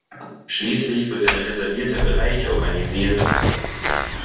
Schließlich wird ein reservierter Bereich organisiert.